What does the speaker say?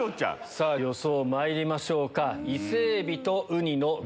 さぁ予想まいりましょうか。